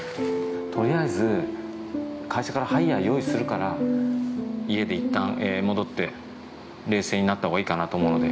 ・とりあえず会社からハイヤー用意するから家でいったん戻って冷静になったほうがいいかなと思うので。